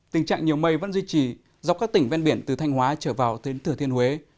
tình trạng nhiều mây vẫn duy trì dọc các tỉnh ven biển từ thanh hóa trở vào đến thừa thiên huế